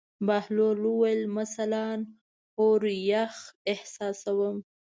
بهلول وویل: مثلاً اور یخ احساسوم.